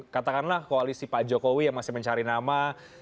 katakanlah koalisi pak jokowi yang masih mencari nama